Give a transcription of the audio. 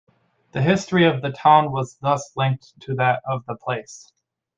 The history of the town was thus linked to that of the place.